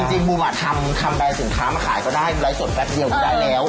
จริงบูมทำแรนดสินค้ามาขายก็ได้ไลฟ์สดแป๊บเดียวบูมได้แล้ว